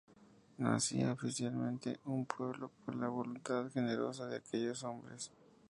Nacía oficialmente un pueblo, por la voluntad generosa de aquellos hombres.